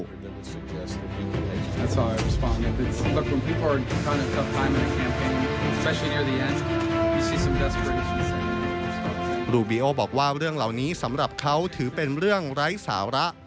ดูบีโอบอกว่าเรื่องเหล่านี้สำหรับเขาถือเป็นเรื่องไร้สาระ